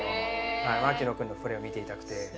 槙野君のプレーを見ていたくて。